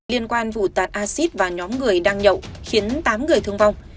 liên quan vụ tạt acid và nhóm người đang nhậu khiến tám người thương vong